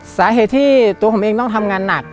สาเหตุที่ตัวผมเองต้องทำงานหนัก